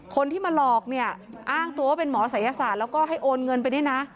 คนที่มาหลอกเนี่ยอ้างตัวว่าเป็นหมอศัยศาสตร์แล้วก็ให้โอนเงินไปด้วยนะ